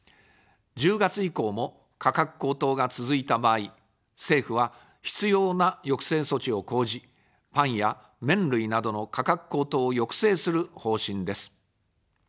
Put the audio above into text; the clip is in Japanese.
１０月以降も、価格高騰が続いた場合、政府は必要な抑制措置を講じ、パンや麺類などの価格高騰を抑制する方針です。